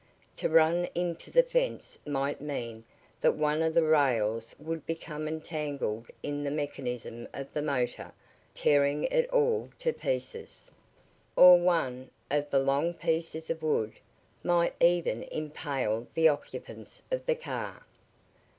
To run into the fence might mean that one of the rails would become entangled in the mechanism of the motor, tearing it all to pieces. Or one of the long pieces of wood might even impale the occupants of the car.